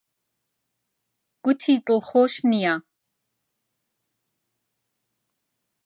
گوتی دڵخۆش نییە.